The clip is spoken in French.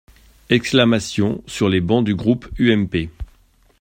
(Exclamations sur les bancs du groupe UMP.